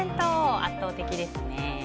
圧倒的ですね。